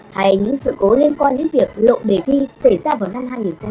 hay những sự cố liên quan đến việc lộ đề thi xảy ra vào năm hai nghìn hai mươi